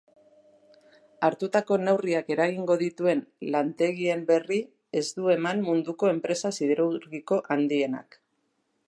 Hartutako neurriak eragingo dituen lantegien berri ez du eman munduko enpresa siderurgiko handienak.